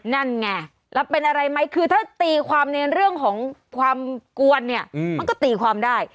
นั่นไงแล้วเป็นอะไรไหมคือถ้าตีความในเรื่องของความกวนเนี่ยมันก็ตีความได้